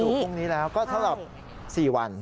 พรุ่งนี้แล้วก็สำหรับ๔วัน